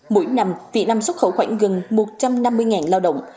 mỗi năm việt nam xuất khẩu khoảng gần một trăm năm mươi lao động